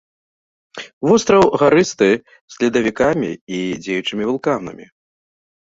Востраў гарысты, з ледавікамі і дзеючымі вулканамі.